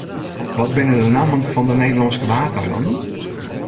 Wat binne de nammen fan de Nederlânske Waadeilannen?